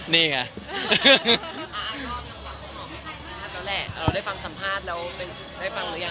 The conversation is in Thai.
นี่ค่ะ